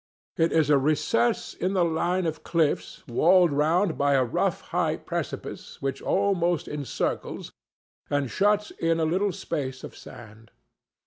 It is a recess in the line of cliffs, walled round by a rough, high precipice which almost encircles and shuts in a little space of sand.